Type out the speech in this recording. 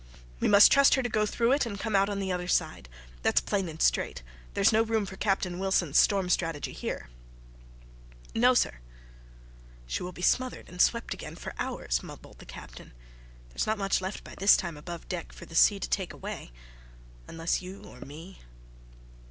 "We must trust her to go through it and come out on the other side. That's plain and straight. There's no room for Captain Wilson's storm strategy here." "No, sir." "She will be smothered and swept again for hours," mumbled the Captain. "There's not much left by this time above deck for the sea to take away unless you or me."